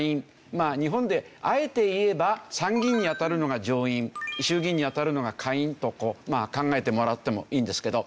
まあ日本であえて言えば参議院に当たるのが上院衆議院に当たるのが下院と考えてもらってもいいんですけど。